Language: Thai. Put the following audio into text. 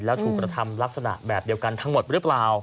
แล้วถูกกระทำลักษณะแบบเดียวกันทั้งหมดหรือเปล่า